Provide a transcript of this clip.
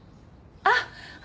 あっ！